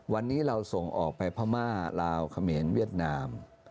วันนี้เราส่งออกไปพม่าลาวเขมรเวียดนาม